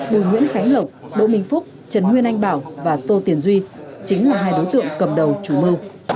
bùi nguyễn khánh lộc đỗ minh phúc trần nguyên anh bảo và tô tiền duy chính là hai đối tượng cầm đầu chủ mưu